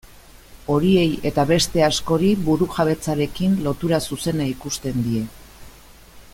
Horiei eta beste askori burujabetzarekin lotura zuzena ikusten die.